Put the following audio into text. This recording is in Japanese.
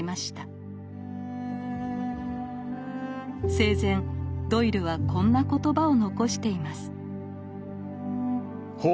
生前ドイルはこんな言葉を残しています。